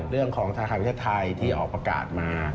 เรื่องของธนาคารประเทศไทยที่ออกประกาศมา